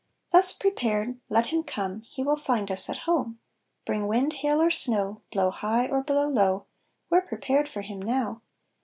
Thus prepared, let him come, He will find us at home; Bring wind, hail, or snow, Blow high, or blow low, We're prepared for him now.